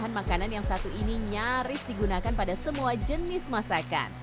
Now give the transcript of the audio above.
bahan makanan yang satu ini nyaris digunakan pada semua jenis masakan